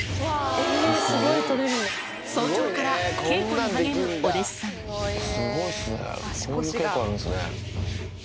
早朝から稽古に励むお弟子さすごいですね、こういう稽古あるんですね。